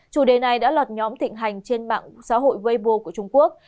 chủ đề này đã lọt nhóm tịnh hành trên mạng xã hội weibo của trung quốc